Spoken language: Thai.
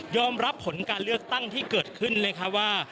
รับผลการเลือกตั้งที่เกิดขึ้นนะคะว่า